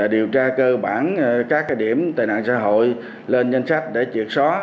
điều tra cơ bản các điểm tệ nạn xã hội lên danh sách để triệt xóa